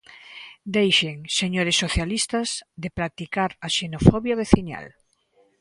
Deixen, señores socialistas, de practicar a xenofobia veciñal.